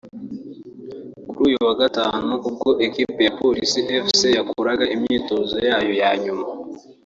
Kuri uyu wa Gatanu ubwo ikipe ya Police Fc yakoraga imyitozo yayo ya nyuma